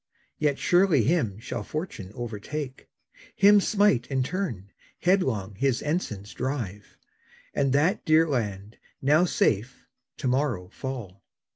Yet surely him shall fortune overtake, Him smite in turn, headlong his ensigns drive; And that dear land, now safe, to morrow fall.